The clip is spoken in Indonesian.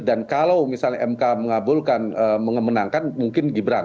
dan kalau misalnya mk mengabulkan mengemenangkan mungkin gibran